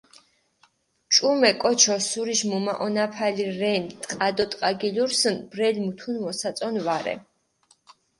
ჭუმე კოჩი ოსურიში მჷმაჸონაფალი რენ, ტყა დო ტყას გილურსჷნ, ბრელი მუთუნ მოსაწონი ვარე.